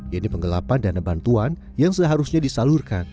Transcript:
yang dipenggelapan dana bantuan yang seharusnya disalurkan